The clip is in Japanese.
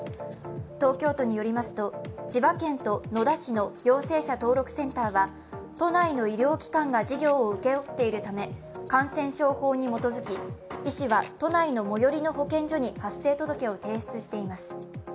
東京都によりますと千葉県と野田市の陽性者登録センターは都内の医療機関が事業を請け負っているため感染症法に基づき、医師は都内の最寄りの保健所に発生届を提出しています。